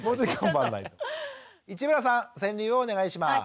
市村さん川柳をお願いします。